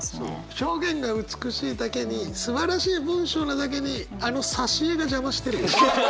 表現が美しいだけにすばらしい文章なだけにあの挿絵が邪魔してる。